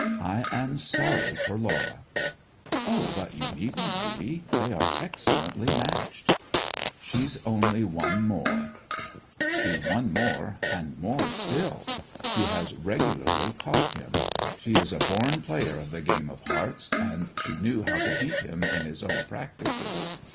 I am sorry for Laura.' 'Oh, but you needn't be. They are excellently matched.' 'She's only one more.' 'She's one more, and more still. She has regularly caught him. She is a born player of the game of hearts, and she knew how to beat him in his own practices.